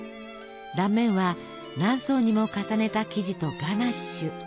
断面は何層にも重ねた生地とガナッシュ。